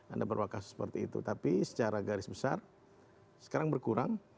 anda berwakas seperti itu tapi secara garis besar sekarang berkurang